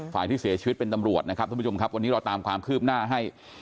ที่เสียชีวิตเป็นตำรวจนะครับท่านผู้ชมครับวันนี้เราตามความคืบหน้าให้